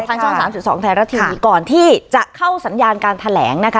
ทางช่องสามสิบสองไทยรัสทีก่อนที่จะเข้าสัญญาณการแถลงนะคะ